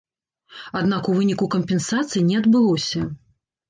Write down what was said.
Аднак у выніку кампенсацый не адбылося.